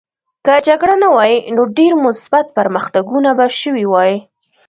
که جګړه نه وای نو ډېر مثبت پرمختګونه به شوي وای